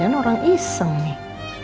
janjan orang iseng nih